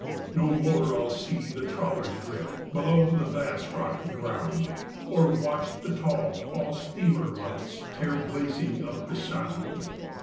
No more I'll see the trawlers drift below the Bass Rock ground, Or watch the tall Fall steamer lights tear blazing up the Sound.